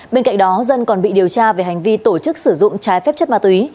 bên cạnh đó dân còn bị điều tra về hành vi tổ chức sử dụng trái phép chất ma túy